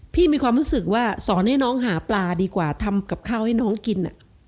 มีความรู้สึกว่าสอนให้น้องหาปลาดีกว่าทำกับข้าวให้น้องกิน